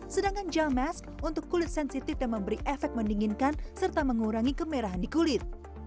sedangkan gelmes untuk kulit sensitif dan memberi efek mendinginkan serta mengurangi kemerahan di kulit